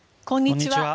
こんにちは。